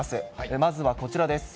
まずはこちらです。